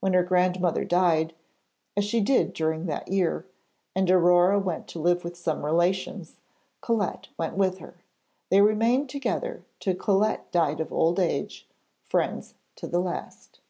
When her grandmother died, as she did during that year, and Aurore went to live with some relations, Colette went with her. They remained together till Colette died of old age, friends to the last.